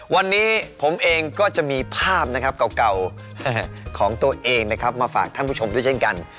วันนี้ผมเองก็จะมีภาพเก่าของตัวเองมาฝากท่านผู้ชมด้วยเช่นกัน